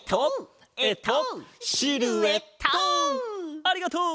ありがとう！